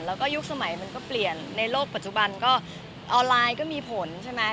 แล้วก็ยุคสมัยมันก็เปลี่ยนในโลกปัจจุบันก็ออนไลน์ก็มีผลใช่ไหม